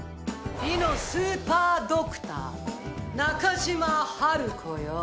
美のスーパードクター中島ハルコよ